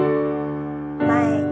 前に。